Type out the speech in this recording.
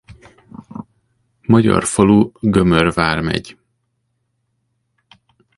Magyar falu Gömör Vármegy.